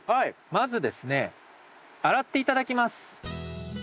まずですね洗って頂きます。